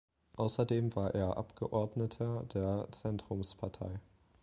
Außerdem war er Abgeordneter der Zentrumspartei.